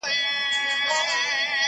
د قلا تر جګ دېواله یې راوړی؛